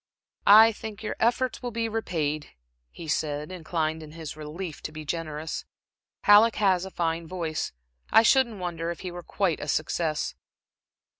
"I think your efforts will be repaid," he said, inclined in his relief to be generous. "Halleck has a fine voice. I shouldn't wonder if he were quite a success."